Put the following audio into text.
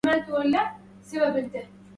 نفقت نفوق الحمار الذكر